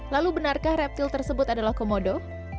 lalu benarkah reptil tersebut adalah komodo